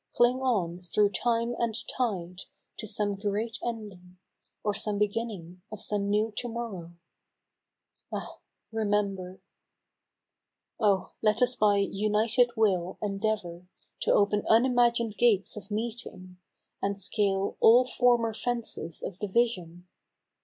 Cling on through time and tide to some great ending, Or some beginning of some new to morrow ! Ah ! remember ! Oh ! let us by united will, endeavour To open unimagined gates of meeting, And scale all former fences of division